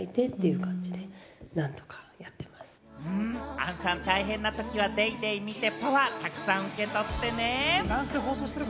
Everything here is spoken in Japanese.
杏さん、大変なときは『ＤａｙＤａｙ．』見てパワーたくさん受け取ってね。